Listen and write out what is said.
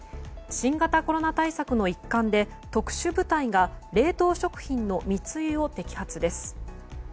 新型コロナ対策の一環で特殊部隊が冷凍食品の密輸を摘発です。